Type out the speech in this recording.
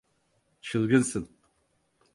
Çılgınsın.